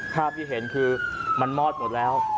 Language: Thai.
ภาพที่เห็นคือมันมอดหมดแล้ว